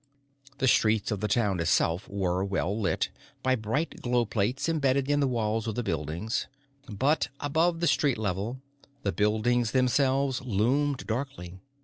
The streets of the town itself were well lit by bright glow plates imbedded in the walls of the buildings, but above the street level, the buildings themselves loomed darkly.